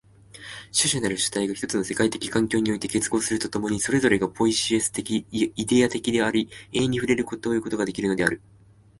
種々なる主体が一つの世界的環境において結合すると共に、それぞれがポイエシス的にイデヤ的であり、永遠に触れるということができるのである。